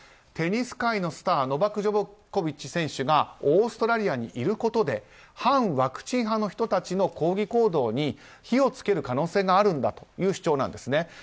テニス界のスターノバク・ジョコビッチ選手がオーストラリアにいることで反ワクチン派の人たちの抗議行動に火を付ける可能性があるんだという主張なんですね。